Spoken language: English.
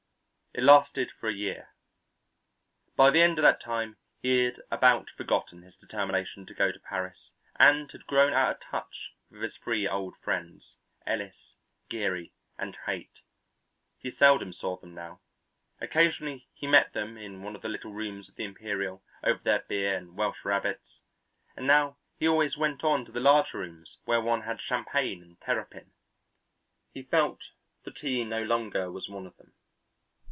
It lasted for a year; by the end of that time he had about forgotten his determination to go to Paris and had grown out of touch with his three old friends, Ellis, Geary, and Haight. He seldom saw them now; occasionally he met them in one of the little rooms of the Imperial over their beer and Welsh rabbits, but now he always went on to the larger rooms where one had champagne and terrapin. He felt that he no longer was one of them.